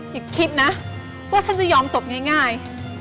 อย่าคิดนะว่าฉันจะยอมจบง่าย